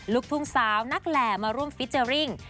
ลูกทุ่งสาวนักแหล่มาร่วมฟิเจอร์ริ่ง